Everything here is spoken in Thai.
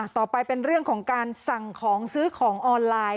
ต่อไปเป็นเรื่องของการสั่งของซื้อของออนไลน์